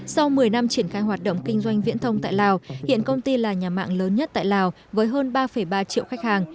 sau một mươi năm triển khai hoạt động kinh doanh viễn thông tại lào hiện công ty là nhà mạng lớn nhất tại lào với hơn ba ba triệu khách hàng